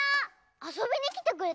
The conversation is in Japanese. あそびにきてくれたの？